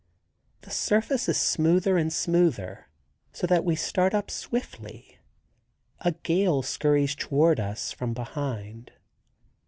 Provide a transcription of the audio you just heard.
The surface is smoother and smoother; so that we start up swiftly. A gale scurries toward us from behind.